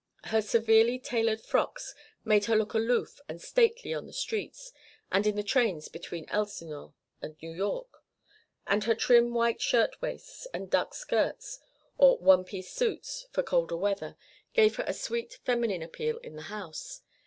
Her severely tailored frocks made her look aloof and stately on the streets (and in the trains between Elsinore and New York); and her trim white shirt waists and duck skirts, or "one piece suits" for colder weather, gave her a sweet feminine appeal in the house.